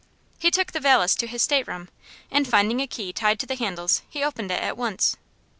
He took the valise to his stateroom, and, finding a key tied to the handles, he opened it at once.